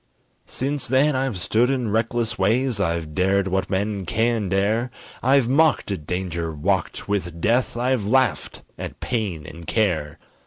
Since then I've stood in reckless ways, I've dared what men can dare, I've mocked at danger, walked with death, I've laughed at pain and care.